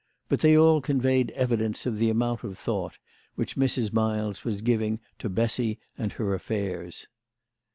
But they all conveyed evidence of the amount of thought which Mrs. Miles was giving to Bessy and her affairs.